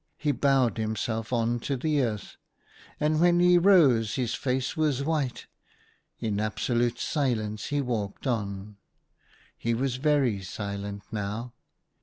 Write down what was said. He bowed himself on to the earth, and when he rose his face was white. In absolute silence he THE HUNTER. 45 walked on. He was very silent now.